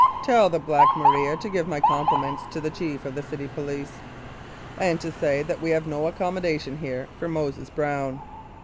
"Tell the Black Maria to give my compliments to the Chief of the City Police, and to say that we have no accommodation here for Moses Brown."